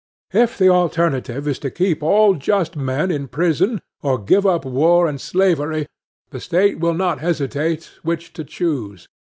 If the alternative is to keep all just men in prison, or give up war and slavery, the State will not hesitate which to choose.